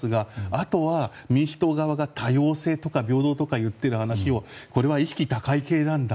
あとは、民主党側が多様性とか平等とか言っている話をこれは意識高い系なんだ